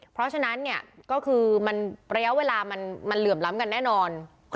เพราะฉะนั้นเนี่ยก็คือมันระยะเวลามันเหลื่อมล้ำกันแน่นอน